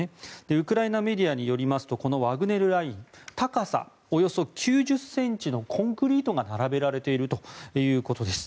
ウクライナメディアによりますとこのワグネルライン高さおよそ９０ｃｍのコンクリートが並べられているということです。